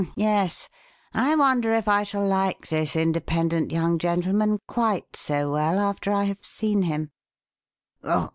M' yes! I wonder if I shall like this independent young gentleman quite so well after I have seen him."